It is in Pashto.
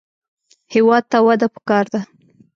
هېواد ته وده پکار ده